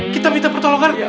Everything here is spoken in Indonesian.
kita minta pertolongan